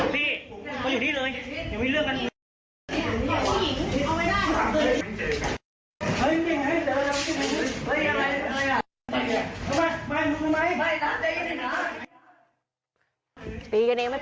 พี่มาอยู่นี่เลยอย่ามีเรื่องกันอีก